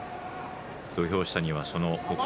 土俵下には北勝